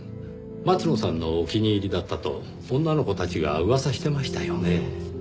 松野さんのお気に入りだったと女の子たちが噂してましたよねぇ。